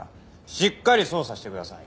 しっかり捜査してください。